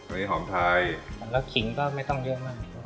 อันนี้หอมไทยแล้วขิงก็ไม่ต้องเยอะมาก